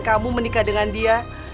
kamu menikahi dengan dia